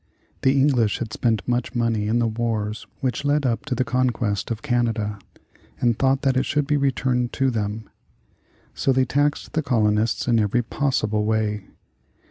The English had spent much money in the wars which led up to the conquest of Canada, and thought that it should be returned to them. So they taxed the colonists in every possible way.